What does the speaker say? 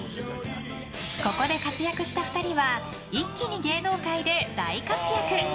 ここで活躍した２人は一気に芸能界で大活躍！